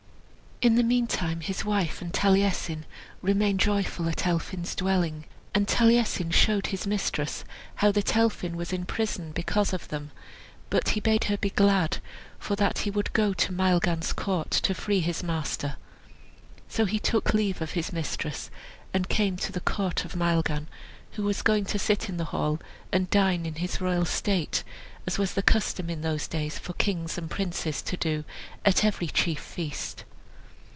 In the meantime his wife and Taliesin remained joyful at Elphin's dwelling. And Taliesin showed his mistress how that Elphin was in prison because of them; but he bade her be glad, for that he would go to Maelgan's court to free his master. So he took leave of his mistress, and came to the court of Maelgan, who was going to sit in his hall, and dine in his royal state, as it was the custom in those days for kings and princes to do at every chief feast.